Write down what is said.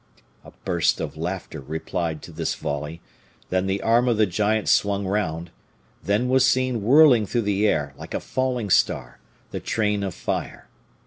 A burst of laughter replied to this volley; then the arm of the giant swung round; then was seen whirling through the air, like a falling star, the train of fire.